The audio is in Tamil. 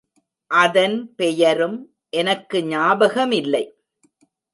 அதன் பெயரும் எனக்கு ஞாபகமில்லை.